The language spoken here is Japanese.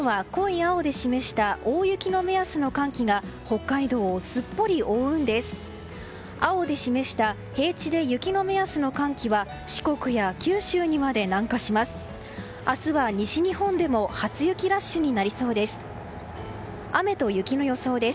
青で占めた平地の雪の目安の寒気は四国や九州にまで南下します。